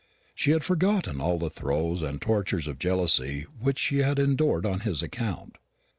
She had forgotten all the throes and tortures of jealousy which she had endured on his account.